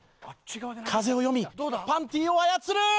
風を読みパンティを操る！